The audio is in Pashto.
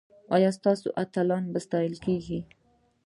ایا ستاسو اتلان به ستایل کیږي؟